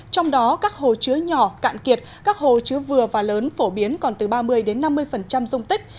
trong đó các hồ chứa nhỏ cạn kiệt các hồ chứa vừa và lớn phổ biến còn từ ba mươi năm mươi dung tích